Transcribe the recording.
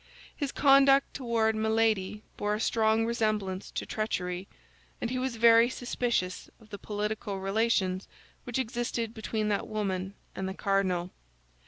His conduct toward Milady bore a strong resemblance to treachery, and he was very suspicious of the political relations which existed between that woman and the cardinal.